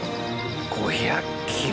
５００キロ！